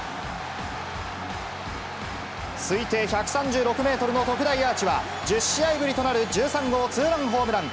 推定１３６メートルの特大アーチは、１０試合ぶりとなる１３号ツーランホームラン。